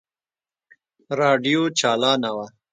راډيو چالانه وه.